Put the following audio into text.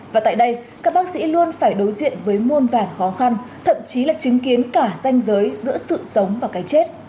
và tại đây các bác sĩ luôn phải đối diện với muôn vàn khó khăn thậm chí là chứng kiến cả danh giới giữa sự sống và cái chết